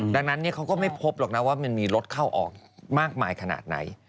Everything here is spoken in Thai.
ดังนั้นเขาก็ไม่พบหรอกนะว่ามันมีรถเข้าออกมากมายขนาดไหน